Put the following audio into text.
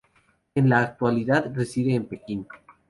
En la actualidad reside en Pekín.